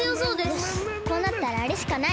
よしこうなったらあれしかない！